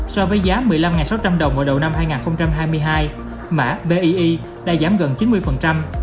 so với giá một mươi năm sáu trăm linh đồng vào đầu năm hai nghìn hai mươi hai mã bie đã giảm gần chín mươi